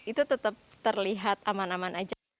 itu tetap terlihat aman aman aja